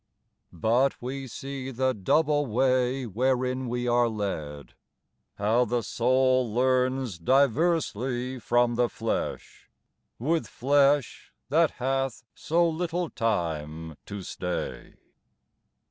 But we see the double way wherein we are led, How the soul learns diversely from the flesh ! With flesh, that hath so little time to stay!